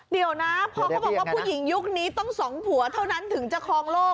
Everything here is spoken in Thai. เดี๋ยวนะพอเขาบอกว่าผู้หญิงยุคนี้ต้องสองผัวเท่านั้นถึงจะคลองโลก